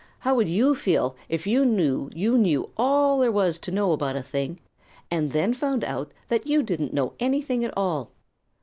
How would you feel if you knew you knew all there was to know about a thing, and then found out that you didn't know anything at all?